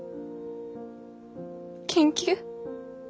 研究？